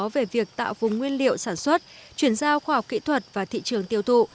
về việc tạo vùng nguyên liệu sản xuất chuyển giao khoa học kỹ thuật và thị trường tiêu thụ